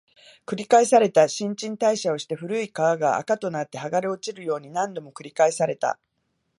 繰り返された、新陳代謝をして、古い皮が垢となって剥がれ落ちるように、何度も繰り返された